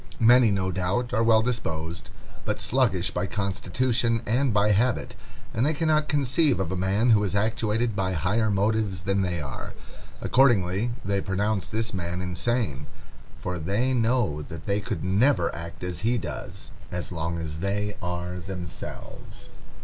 Many, no doubt, are well disposed, but sluggish by constitution and by habit, and they cannot conceive of a man who is actuated by higher motives than they are. Accordingly they pronounce this man insane, for they know that they could never act as he does, as long as they are themselves.